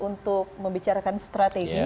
untuk membicarakan strategi